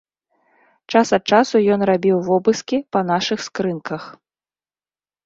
Час ад часу ён рабіў вобыскі па нашых скрынках.